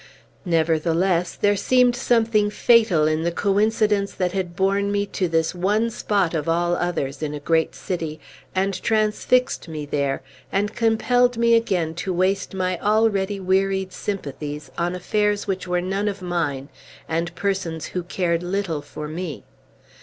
Nevertheless, there seemed something fatal in the coincidence that had borne me to this one spot, of all others in a great city, and transfixed me there, and compelled me again to waste my already wearied sympathies on affairs which were none of mine, and persons who cared little for me.